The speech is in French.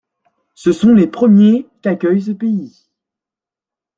Ce sont les premiers qu'accueille ce pays.